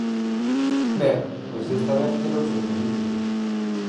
Ben, pois desta vez quedou sen o título.